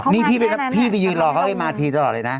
นี่พี่ไปยืนรอเขาให้มาทีตลอดเลยนะ